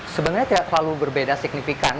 sebenarnya tidak terlalu berbeda signifikan